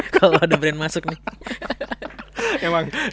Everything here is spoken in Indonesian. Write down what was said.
kalau ada brand masuk nih